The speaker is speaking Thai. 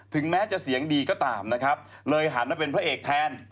ถึงแม้จะเสียงดีก็ตามเลยหันเป็นพระเอกแทน